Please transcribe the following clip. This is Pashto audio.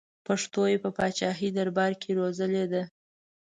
پښتو یې په پاچاهي دربار کې روزلې ده.